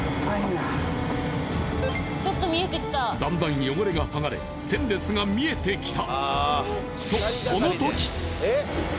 だんだん汚れが剥がれステンレスが見えてきた。